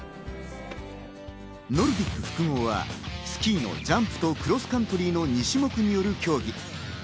ノルディック複合はスキーのジャンプとクロスカントリーの２種目による競技。